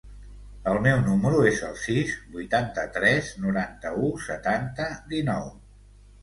El meu número es el sis, vuitanta-tres, noranta-u, setanta, dinou.